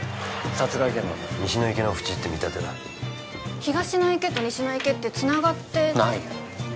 殺害現場も西の池の縁って見立てだ東の池と西の池ってつながってないよ